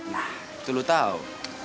nah itu lo tau